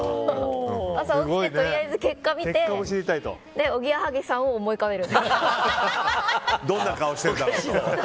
朝起きて、とりあえず結果を見ておぎやはぎさんを思い浮かべる。